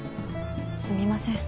すみません